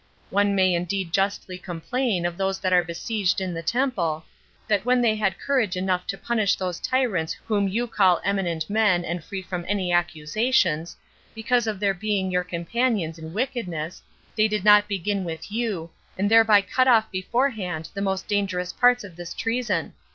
One may indeed justly complain of those that are besieged in the temple, that when they had courage enough to punish those tyrants whom you call eminent men, and free from any accusations, because of their being your companions in wickedness, they did not begin with you, and thereby cut off beforehand the most dangerous parts of this treason.